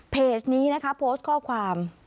เพจนี้นะคะโพสต์ข้อความ